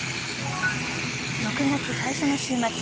６月最初の週末。